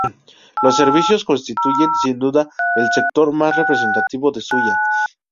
Los servicios constituyen, sin duda, el sector más representativo de Zuya.